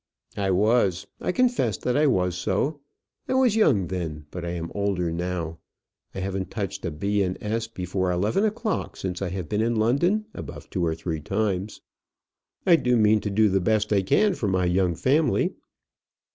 "I was. I confess that I was so. I was young then, but I am older now. I haven't touched a B. and S. before eleven o'clock since I have been in London above two or three times. I do mean to do the best I can for my young family."